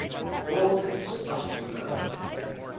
All this must be learned.